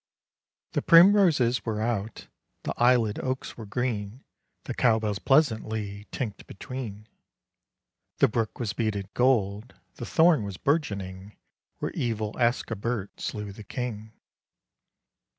The primroses were out, The aislèd oaks were green, The cow bells pleasantly Tinked between; The brook was beaded gold, The thorn was burgeoning, Where evil Ascobert Slew the King.